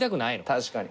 確かに。